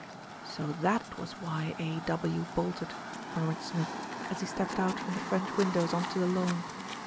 "So that was why A. W. bolted," murmured Smith, as he stepped out from the French windows on to the lawn.